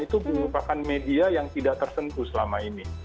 itu merupakan media yang tidak tersentuh selama ini